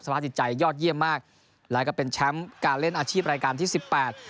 สภาพจิตใจยอดเยี่ยมมากแล้วก็เป็นแชมป์การเล่นอาชีพรายการที่สิบแปด